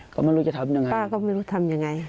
ก็ไม่รู้จะทำยังไงป้าก็ไม่รู้ทำยังไง